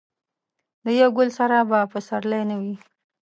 د یو ګل سره به پسرلی نه وي.